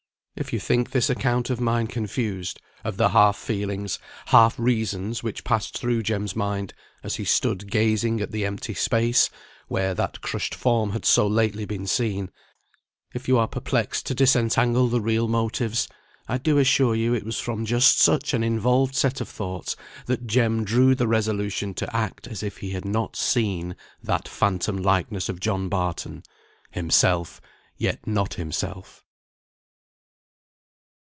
If you think this account of mine confused, of the half feelings, half reasons, which passed through Jem's mind, as he stood gazing at the empty space, where that crushed form had so lately been seen, if you are perplexed to disentangle the real motives, I do assure you it was from just such an involved set of thoughts that Jem drew the resolution to act as if he had not seen that phantom likeness of John Barton; himself, yet not himself.